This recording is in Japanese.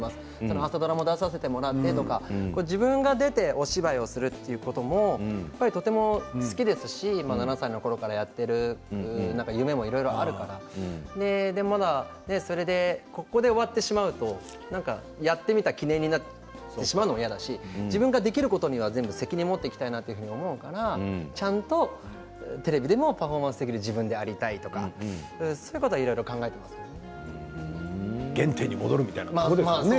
朝ドラに出たり自分が出てお芝居をするということもとても好きですし７歳のころからやっている夢もいろいろあるからそれでここで終わってしまうとやってみた記念になってしまうのも嫌だし自分ができることには全部責任を持っていきたいなと思うからちゃんとテレビでもパフォーマンスできる自分でありたいとか、そういうことは原点に戻るみたいなことですものね